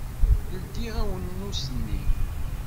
Ldi awemmus-nni.